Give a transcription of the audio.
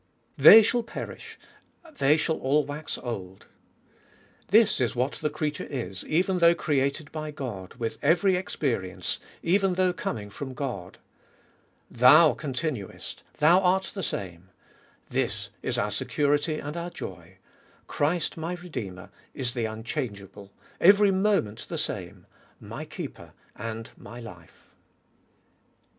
2. They shall perish : they all shall wax old : this is what the creature is, even though created by God, with every experience, even though coming from God. Thou continuest ; thou art the same : this is our security and our joy. Christ my Redeemer is the unchangeable —every moment the same, my Keeper and my Life.